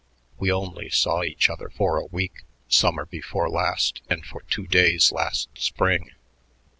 We only saw each other for a week summer before last and for two days last spring.